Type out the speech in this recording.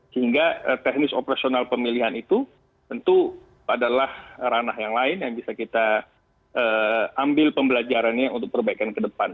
sehingga teknis operasional pemilihan itu tentu adalah ranah yang lain yang bisa kita ambil pembelajarannya untuk perbaikan ke depan